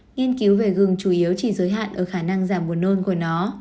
nghiên cứu về gừng chủ yếu chỉ giới hạn ở khả năng giảm buồn nôn của nó